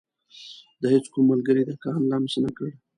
د هيڅ کوم ملګري دکان لمس نه کړ.